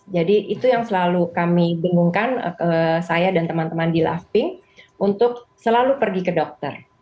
jadi itu yang selalu kami bingungkan saya dan teman teman di lafping untuk selalu pergi ke dokter